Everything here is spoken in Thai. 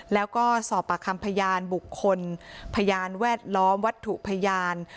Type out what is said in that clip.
แล้วก็สอบปากคำพยานบุคคลพยานแวดล้อมวัตถุพยาน